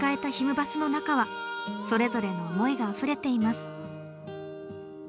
バスの中はそれぞれの思いがあふれています。